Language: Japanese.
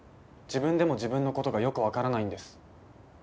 自分でも自分の事がよくわからないんです。